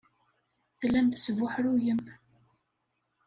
Tellam tesbuḥruyem.